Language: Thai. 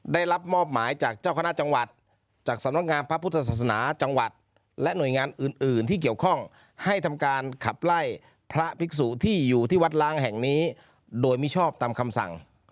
ได้รับมอบหมายจากเจ้าคณะจังหวัดจากสำนักงานพระพุทธศาสนาจังหวัดและหน่วยงานอื่นที่เกี่ยวข้องให้ทำการขับไล่พระภิกษุที่อยู่ที่วัดล้างแห่งนี้โดยมิชอบตามคำสั่ง